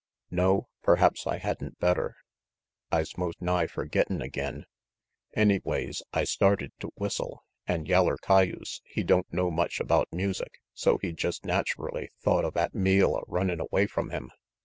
"No. Perhaps I had'n better. I's most nigh forgettin' again. Anyways, I started to whistle, an' yeller cayuse, he don't know much about music, so he jest naturally thought of 'at meal a runnin' away from him.